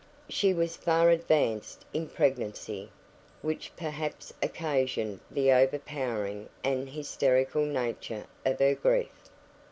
She was far advanced in pregnancy, which perhaps occasioned the overpowering and hysterical nature of her grief.